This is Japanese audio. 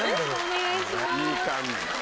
いい感じ。